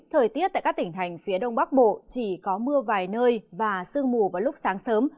thời tiết tại các tỉnh thành phía đông bắc bộ chỉ có mưa vài nơi và sương mù vào lúc sáng sớm